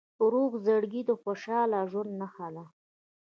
روغ زړګی د خوشحال ژوند نښه ده.